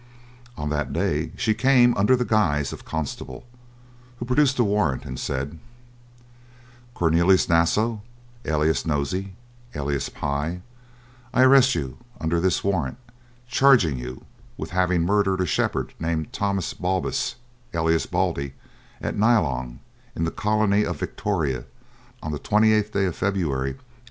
On that day she came under the guise of constable, who produced a warrant, and said: "Cornelius Naso, alias Nosey, alias Pye, I arrest you under this warrant, charging you with having murdered a shepherd, named Thomas Balbus, alias Baldy, at Nyalong, in the colony of Victoria, on the 28th day of February, 1854.